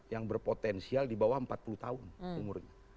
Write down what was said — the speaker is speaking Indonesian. yang berpotensial di bawah empat puluh tahun umurnya